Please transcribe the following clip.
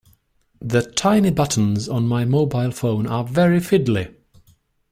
The tiny buttons on my mobile phone are very fiddly